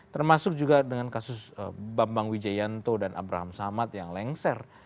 termasuk juga dengan kasus bambang wijayanto dan abraham samad yang lengser